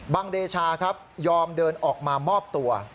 เดชาครับยอมเดินออกมามอบตัว